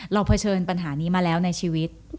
เผชิญปัญหานี้มาแล้วในชีวิต